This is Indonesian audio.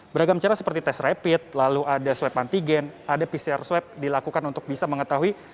beragam cara seperti tes rapid lalu ada swab antigen ada pcr swab dilakukan untuk bisa mengetahui